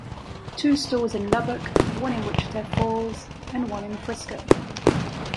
Two stores in Lubbock, one in Wichita Falls, and one in Frisco.